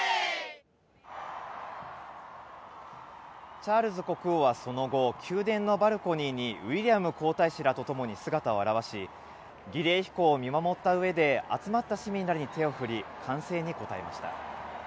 チャールズ国王はその後、宮殿のバルコニーにウィリアム皇太子らとともに姿を現し、儀礼飛行を見守ったうえで、集まった市民らに手を振り、歓声に応えました。